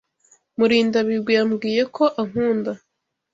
Murindabigwi yambwiye ko ankunda.